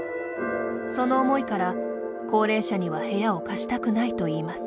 その思いから、高齢者には部屋を貸したくないといいます。